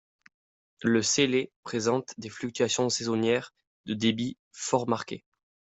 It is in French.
Le Célé présente des fluctuations saisonnières de débit fort marquées.